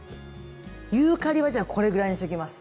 ユーカリはこれぐらいにしときます。